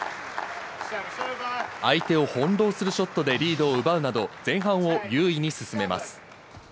相手を翻弄するショットでリードを奪うなど前半を優位に進めます。